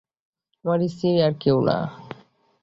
আমার স্ত্রী, আর কেউ না।